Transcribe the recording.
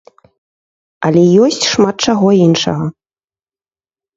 Але ёсць шмат чаго іншага.